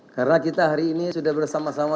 karena kita hari ini sudah bersama sama